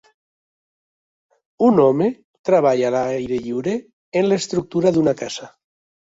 Un home treballa a l'aire lliure en l'estructura d'una casa.